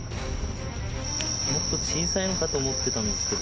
もっと小さいのかと思ってたんですけど。